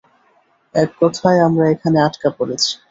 এক কথায়, আমরা এখানে আটকা পড়েছি।